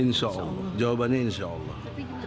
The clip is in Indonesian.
insya allah jawabannya insya allah